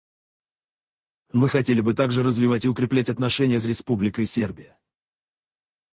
Мы хотели бы также развивать и укреплять отношения с Республикой Сербия.